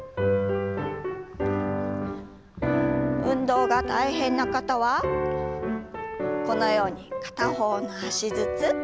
運動が大変な方はこのように片方の脚ずつ。